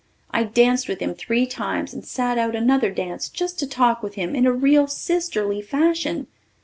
I danced with him three times and sat out another dance just to talk with him in a real sisterly fashion.